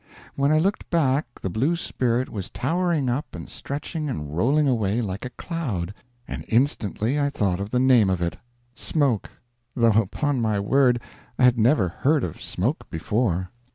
When I looked back the blue spirit was towering up and stretching and rolling away like a cloud, and instantly I thought of the name of it smoke! though, upon my word, I had never heard of smoke before.